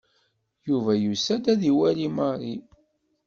Yuba yusa-d ad iwali Mary.